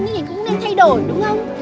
như vậy cũng nên thay đổi đúng không